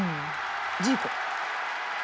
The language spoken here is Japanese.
ジーコ。